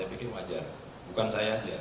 saya pikir wajar bukan saya saja